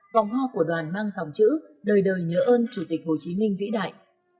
vòng hoa của đoàn mang dòng chữ đời đời nhớ ơn chủ tịch hồ chí minh vĩ đại